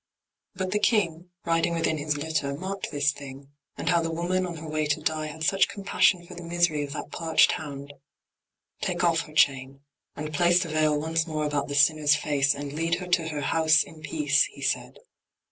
But the King, Riding within his litter, marked this thing, And how the woman, on her way to die Had such compassion for the misery Of that parched hound: "Take off her chain, and place The veil once more about the sinner's face, And lead her to her house in peace!" he said.